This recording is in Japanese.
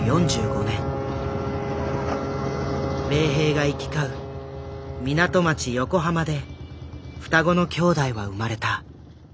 米兵が行き交う港町横浜で双子の兄弟は生まれた。